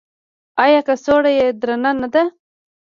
ایا کڅوړه یې درنده نه ده؟